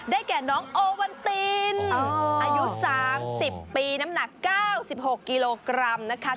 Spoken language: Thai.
ได้แก่น้องโอวันตินอายุสามสิบปีน้ำหนักเก้าสิบหกกิโลกรัมนะคะ